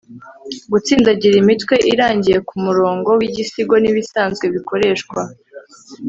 gutsindagira imitwe irangiye kumurongo wigisigo. nibisanzwe bikoreshwa